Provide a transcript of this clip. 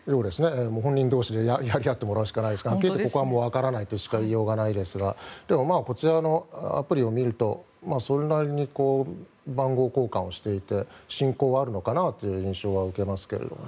本人同士で吐き合ってもらうしかないですからはっきり言ってここはもう分からないとしか言いようがないですがこちらのアプリを見るとそれなりに番号交換をしていて親交があるのかなという印象は受けますけれども。